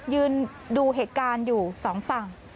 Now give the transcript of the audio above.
ยืนดูเหตุการณ์อยู่สองฝั่ง